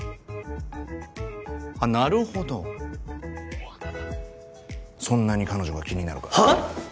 あっなるほどそんなに彼女が気になるかはあ！？